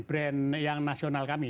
brand yang nasional kami